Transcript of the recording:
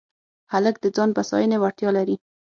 هلک د ځان بساینې وړتیا لري.